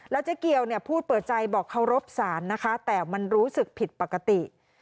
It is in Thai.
แล้วเจ๊เกียวพูดเปิดใจบอกเค้ารบสารนะคะแต่มันรู้สึกผิดปกติ